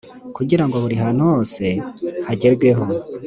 kugira ngo buri hantu hose hagerweho